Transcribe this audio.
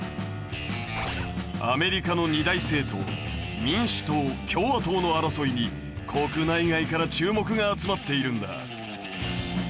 アメリカの二大政党民主党共和党の争いに国内外から注目が集まっているんだ。